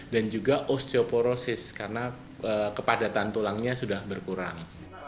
dan juga osteoporosis karena kepadatan tulangnya sudah berkurang